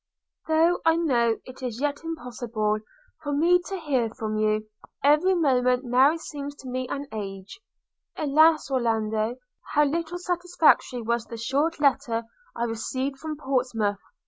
'Though I know it is yet impossible for me to hear from you, every moment now seems to me an age. – Alas! Orlando, how little satisfactory was the short letter I received from Portsmouth!